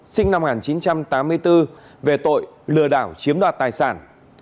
sinh năm một nghìn chín trăm tám mươi bốn về tội lừa đảo chiếm đoạt tài sản